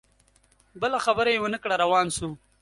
بله خبره یې ونه کړه روان سو